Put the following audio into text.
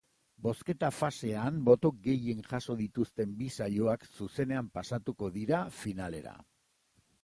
Bozketa-fasean boto gehien jaso dituzten bi saioak zuzenean pasatuko dira finalera.